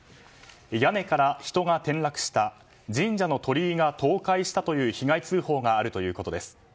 屋根から人が転落した神社の鳥居が倒壊したという被害通報があるということです。